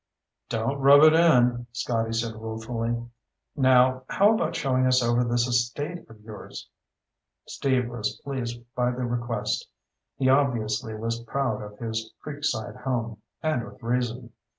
"Don't rub it in," Scotty said ruefully. "Now, how about showing us over this estate of yours?" Steve was pleased by the request. He obviously was proud of his creekside home, and with reason.